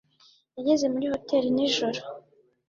yageze muri hoteri nijoro